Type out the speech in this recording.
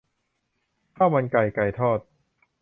ข้าวมันไก่ ไก่ทอด